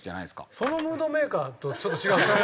そのムードメーカーとちょっと違うんですよ。